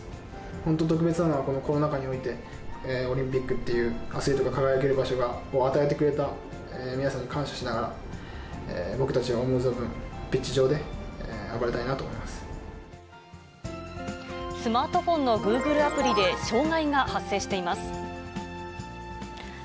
本当に特別なのは、このコロナ禍において、オリンピックっていうアスリートが輝ける場所を与えてくれた皆さんに感謝しながら、僕たちは思う存分、ピッチ上で暴れたいなと思スマートフォンのグーグルアプリで障害が発生しています。